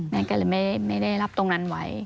ก็เลยไม่ได้รับตรงนั้นไว้